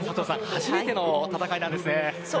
初めての戦いなんですね。